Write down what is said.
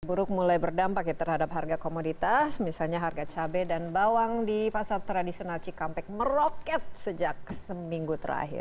buruk mulai berdampak ya terhadap harga komoditas misalnya harga cabai dan bawang di pasar tradisional cikampek meroket sejak seminggu terakhir